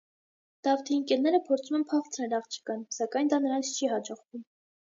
Դավթի ընկերները փորձում են փախցնել աղջկան, սակայն դա նրանց չի հաջողվում։